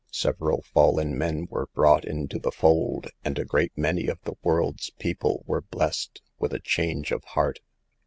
Several fallen men were brought into the fold, and a great many of the world's people were blessed with a change of heart.